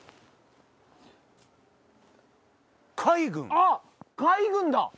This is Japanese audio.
あ海軍だ！